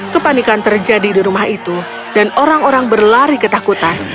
kepanikan terjadi di rumah itu dan orang orang berlari ketakutan